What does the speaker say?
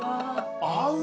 合う。